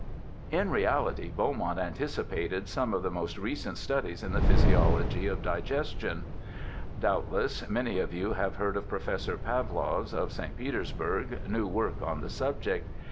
In reality Beaumont anticipated some of the most A BACKWOOD PHYSIOLOGIST 177 recent studies in the physiology of digestion. Doubt less many of you have heard of Professor Pawlow's, of St. Petersburg, new work on the subject.